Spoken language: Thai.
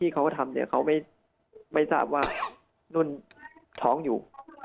เขาก็ทำเนี่ยเขาไม่ทราบว่านุ่นท้องอยู่